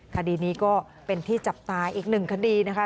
คดีนี้ก็เป็นที่จับตาอีกหนึ่งคดีนะคะ